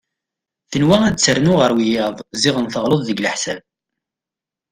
Tenwa ad ternu ɣer wiyaḍ ziɣen teɣleḍ deg leḥsab.